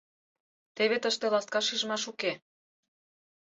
— Теве тыште ласка шижмаш уке.